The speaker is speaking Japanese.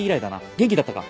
元気だったか？